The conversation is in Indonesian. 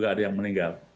tidak ada yang meninggal